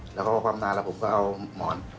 แล้วก็เอาคว่ำหน้าแล้วผมก็เอาหมอน